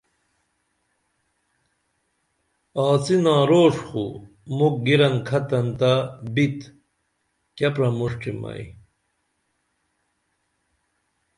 آڅِنا روݜ خو مُکھ گِرن کھتن تہ بِت کیہ پرمݜٹیم ائی